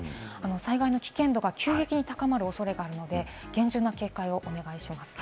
災害の危険度が急激に高まる恐れがあるので、厳重な警戒をお願いします。